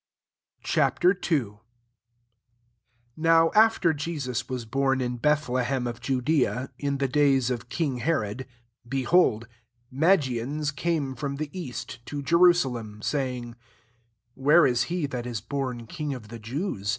Ch. II. 1 NOW after Jesus w€» born in Bethlehem ofJudea, in the days of king Herod, behold. Ma* gians came from the east, to JerU" salem, 2 saying, << Where is he that is bom king of the Jews?